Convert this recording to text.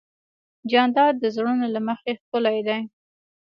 جانداد د زړونو له مخې ښکلی دی.